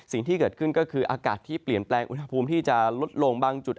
สิ่งที่เกิดขึ้นก็คืออากาศที่เปลี่ยนแปลงอุณหภูมิที่จะลดลงบางจุด